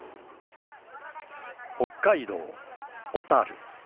北海道小樽。